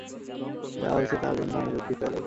যা হয়েছে তার জন্য আমি দুঃখিত, অ্যালেক্স।